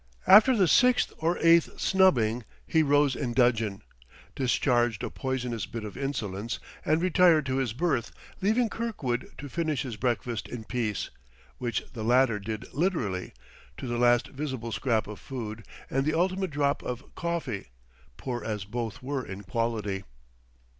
After the sixth or eighth snubbing he rose in dudgeon, discharged a poisonous bit of insolence, and retired to his berth, leaving Kirkwood to finish his breakfast in peace; which the latter did literally, to the last visible scrap of food and the ultimate drop of coffee, poor as both were in quality.